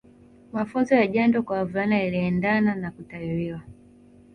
Mafunzo ya jando kwa wavulana yaliendana na kutahiriwa